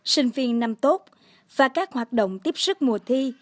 sinh viên năm tốt và các hoạt động tiếp sức mùa thi